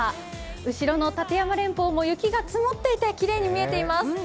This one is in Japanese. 後ろの立山連峰も雪が積もっていてきれいに見えています。